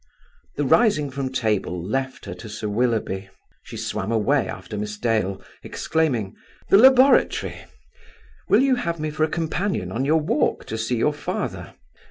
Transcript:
The rising from table left her to Sir Willoughby. She swam away after Miss Dale, exclaiming: "The laboratory! Will you have me for a companion on your walk to see your father?